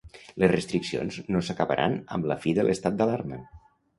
Les restriccions no s’acabaran amb la fi de l’estat d’alarma.